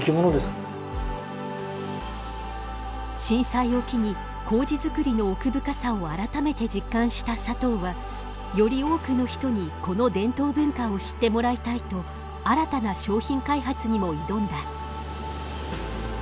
震災を機に麹づくりの奥深さを改めて実感した佐藤はより多くの人にこの伝統文化を知ってもらいたいと新たな商品開発にも挑んだ。